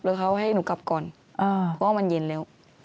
แล้วเขาให้หนูกลับก่อนเพราะว่ามันเย็นแล้ว